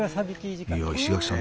いやあ石垣さん